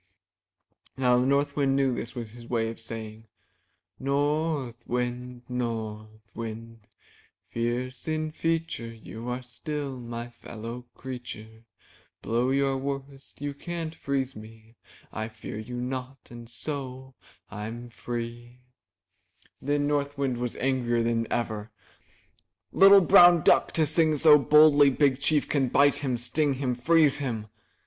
*' Now the North Wind knew this was his way of saying: "North Wind, North Wind, Fierce in feature, 342 IN THE NURSERY You are still my fellow creature; Blow your worst, You can't freeze me; I fear you not, and so rm FREET^ Then North Wind was angrier than ever. ''Little brown duck to sing so boldly! Big Chief can bite him, sting him, freeze him!"